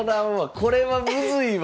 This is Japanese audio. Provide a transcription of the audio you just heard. これはムズいわ！